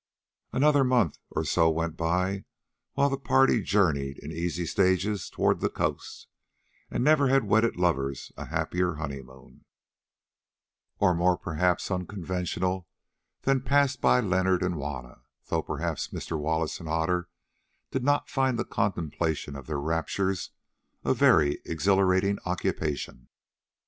Another month or so went by while the party journeyed in easy stages towards the coast, and never had wedded lovers a happier honeymoon, or one more unconventional, than that passed by Leonard and Juanna, though perhaps Mr. Wallace and Otter did not find the contemplation of their raptures a very exhilarating occupation.